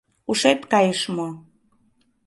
Ушет кайыш мо?